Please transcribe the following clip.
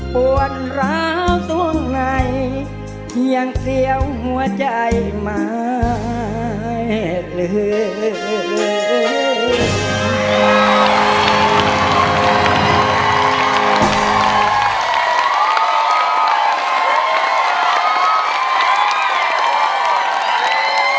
ปวดร้าวตัวในยังเสี่ยวหัวใจหมาย